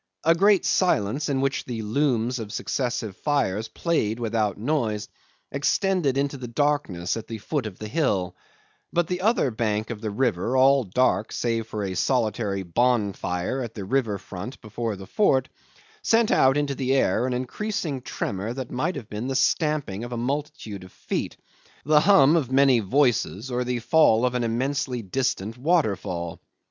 A great silence, in which the looms of successive fires played without noise, extended into the darkness at the foot of the hill; but the other bank of the river, all dark save for a solitary bonfire at the river front before the fort, sent out into the air an increasing tremor that might have been the stamping of a multitude of feet, the hum of many voices, or the fall of an immensely distant waterfall.